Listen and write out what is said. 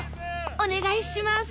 お願いします！